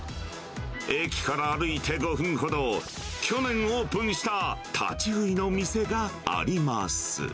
駅から歩いて５分ほど、去年オープンした立ち食いの店があります。